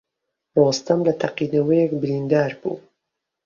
ڕۆستەم لە تەقینەوەک بریندار بوو.